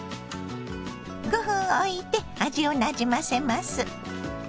５分おいて味をなじませます。